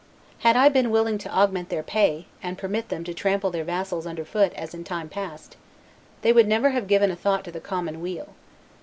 Had I been willing to augment their pay, and permit them to trample their vassals under foot as in time past, they would never have given a thought to the common weal.